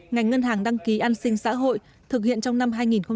ngành ngân hàng đăng ký an sinh xã hội thực hiện trong năm hai nghìn hai mươi